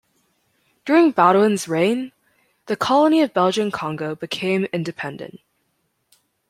During Baudouin's reign the colony of Belgian Congo became independent.